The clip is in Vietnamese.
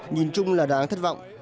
nhìn chung là đáng thất vọng